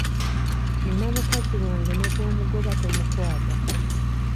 Nnina mukazi wange ne bw'omugoba tomukwata.